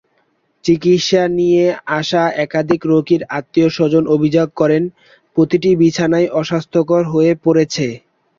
চিকিৎসা নিতে আসা একাধিক রোগীর আত্মীয়স্বজন অভিযোগ করেন, প্রতিটি বিছানাই অস্বাস্থ্যকর হয়ে পড়েছে।